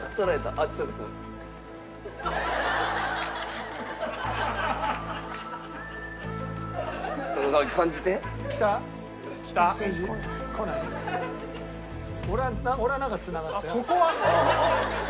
あっそこは。